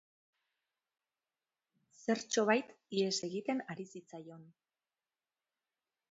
Zertxobait ihes egiten ari zitzaion.